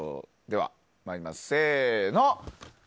ではまいります。